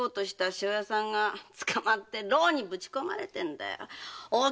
庄屋さんが捕まって牢にぶちこまれてるんだよ！